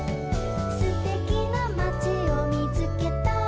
「すてきなまちをみつけたよ」